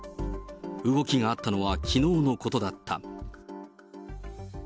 動きがあったのはきのうのことだった。